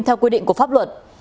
theo quy định của pháp luật